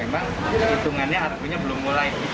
memang hitungannya artinya belum mulai